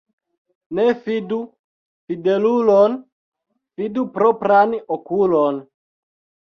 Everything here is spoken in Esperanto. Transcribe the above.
Ne fidu fidelulon, fidu propran okulon.